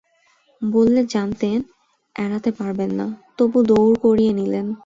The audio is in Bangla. বললে, জানতেন এড়াতে পারবেন না, তবু দৌড় করিয়ে নিলেন।